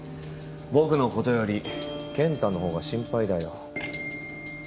僕のことより健太の方が心配だよ。